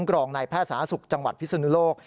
กรองนายแพทย์สหสาธิศุกร์จังหวัดพิศนุโลก